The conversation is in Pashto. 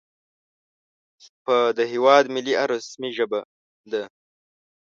په د هېواد ملي او رسمي ژبه ده